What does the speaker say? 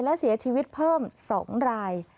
และเสียชีวิตเพิ่ม๒ราย